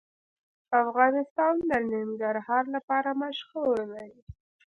افغانستان د ننګرهار لپاره مشهور دی.